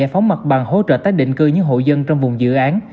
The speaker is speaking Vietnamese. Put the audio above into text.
hỗ trợ tác định cư những hộ dân trong vùng dự án